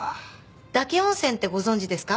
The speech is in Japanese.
岳温泉ってご存じですか？